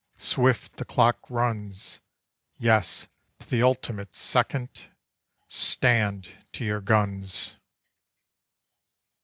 Swift the clock runs; Yes, to the ultimate second. Stand to your guns!